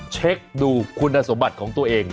เช็คดูคุณสมบัติของตัวเอง